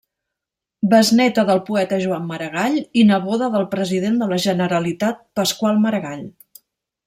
Besnéta del poeta Joan Maragall i neboda del president de la Generalitat Pasqual Maragall.